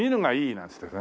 なんつってね。